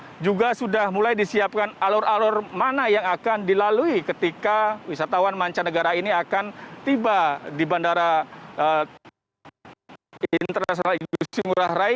nah juga sudah mulai disiapkan alur alur mana yang akan dilalui ketika wisatawan mancanegara ini akan tiba di bandara internasional igusti ngurah rai